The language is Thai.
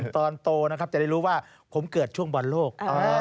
ตอนโตนะครับจะได้รู้ว่าผมเกิดช่วงบอลโลก